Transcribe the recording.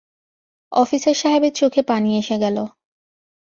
Officer সাহেবের চোখে পানি এসে গেল।